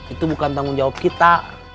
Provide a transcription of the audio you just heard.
itu bukan tanggung jawab kita